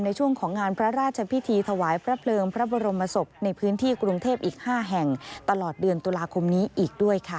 ตรงนี้นะครับตรงนี้ตรงนี้